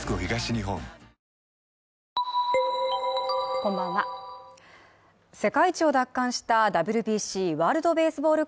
こんばんは世界一を奪還したＷＢＣ＝ワールドベースボール